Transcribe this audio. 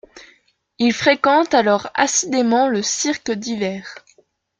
Il fréquente alors assidûment Le Cirque Divers.